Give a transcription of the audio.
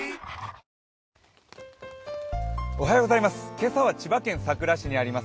今朝は千葉県佐倉市にあります